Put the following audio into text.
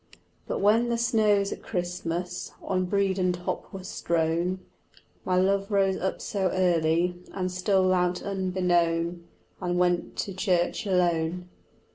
But when the snows at Christmas On Bredon top were strown, My love rose up so early And stole out unbeknown And went to church alone.